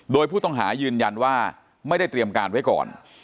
โดยผู้ต้องหายืนยันว่าไม่ได้เตรียมการไว้ก่อน